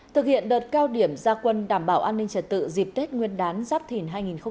thực hiện đợt cao điểm gia quân đảm bảo an ninh trật tự dịp tết nguyên đán giáp thìn hai nghìn hai mươi bốn